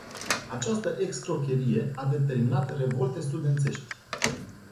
Această excrocherie a determinat revolte studențești.